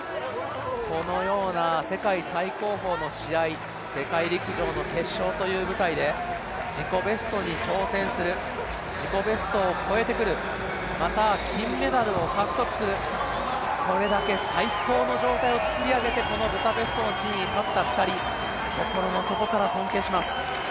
このような世界最高峰の試合、世界陸上の決勝という舞台で自己ベストに挑戦する、自己ベストを超えてくる、また金メダルを獲得する、それだけ最高の状態を作り上げてこのブダペストの地に立った２人、心の底から尊敬します。